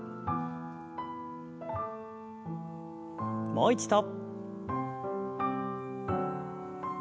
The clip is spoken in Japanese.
もう一度。